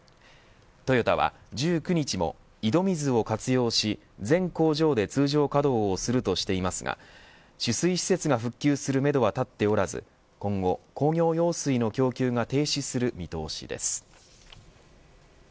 トヨタは１９日も井戸水を活用し全工場で通常稼働するとしていますが取水施設が復旧するめどは立っておらず今後、工業用水の供給が停止する見通しです。